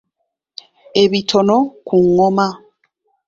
Ebitono ku ngoma.